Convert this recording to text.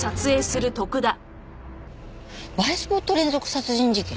映えスポット連続殺人事件？